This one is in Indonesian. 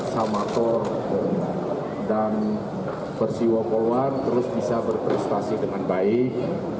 samator dan versi wokolwan terus bisa berprestasi dengan baik